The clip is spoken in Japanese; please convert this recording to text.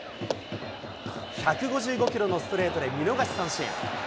１５５キロのストレートで見逃し三振。